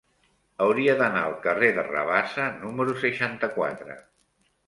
Hauria d'anar al carrer de Rabassa número seixanta-quatre.